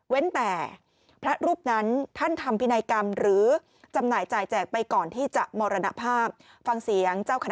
วัดที่ท่านได้อยู่นี่แหละที่ท่านได้บวช